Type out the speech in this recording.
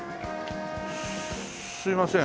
すいません。